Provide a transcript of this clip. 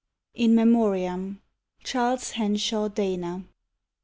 IN MEMORIAM (CHARLES HENSHAW DANA.)